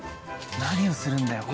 何をするんだよ